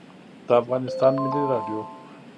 د افغانستان ملی رادیو